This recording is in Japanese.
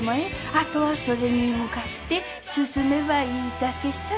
あとはそれに向かって進めばいいだけさ。